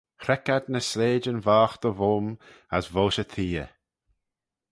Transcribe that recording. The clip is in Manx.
Chreck ad ny sleityn voghtey voym as voish y theay.